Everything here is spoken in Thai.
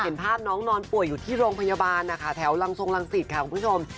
เห็นภาพน้องนอนป่วยอยู่ที่โรงพยาบาลนะคะแถวรังทรงรังสิตค่ะคุณผู้ชม